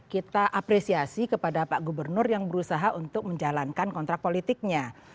kita apresiasi kepada pak gubernur yang berusaha untuk menjalankan kontrak politiknya